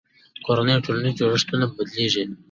کورنۍ او ټولنیز جوړښتونه بدلېږي.